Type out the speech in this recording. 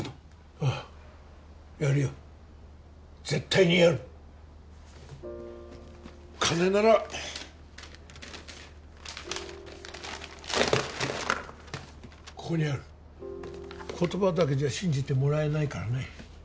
ああやるよ絶対にやる金ならここにある言葉だけじゃ信じてもらえないからね